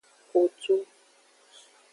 Kotu.